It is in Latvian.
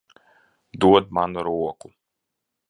Dod man roku.